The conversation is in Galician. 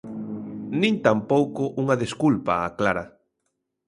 Nin tampouco unha desculpa, aclara.